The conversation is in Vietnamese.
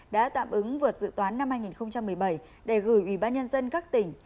đã tạm ứng vượt dự toán năm hai nghìn một mươi bảy để gửi ubnd các tỉnh